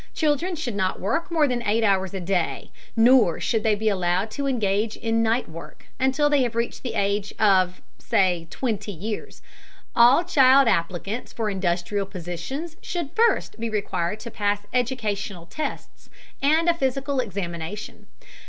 Children should not work more than eight hours a day. Nor should they be allowed to engage in night work until they have reached the age of, say, twenty years. All child applicants for industrial positions should first be required to pass educational tests and a physical examination.